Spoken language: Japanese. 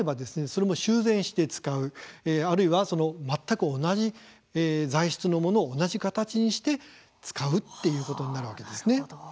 それも修繕して使うあるいは全く同じ材質のものを同じ形にして使うっていうことになるわけですね。